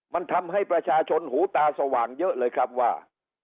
มันทำให้ประชาชนหูตาสว่างเยอะเลยครับว่า